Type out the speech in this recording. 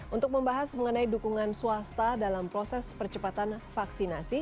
untuk membahas mengenai dukungan swasta dalam proses percepatan vaksinasi